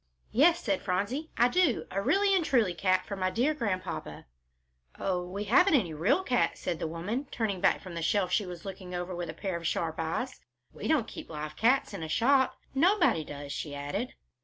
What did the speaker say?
"Yes," said Phronsie, "I do, a really and truly cat for my dear Grandpapa." "Oh, we haven't any real cats," said the woman, turning back from the shelf she was looking over with a pair of sharp eyes. "We don't keep live cats in a shop. Nobody does," she added.